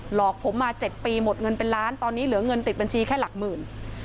อกผมมา๗ปีหมดเงินเป็นล้านตอนนี้เหลือเงินติดบัญชีแค่หลักหมื่น